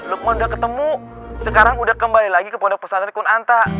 lukman udah ketemu sekarang udah kembali lagi ke pondok pesantren kuanta